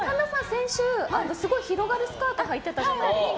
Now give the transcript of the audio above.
先週すごい広がるスカートをはいてたじゃないですか。